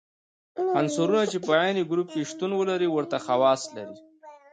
عنصرونه چې په عین ګروپ کې شتون ولري ورته خواص لري.